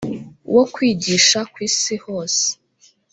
wo kwigisha ku isi hose